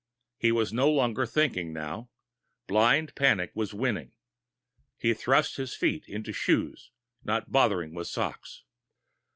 He was no longer thinking, now. Blind panic was winning. He thrust his feet into shoes, not bothering with socks.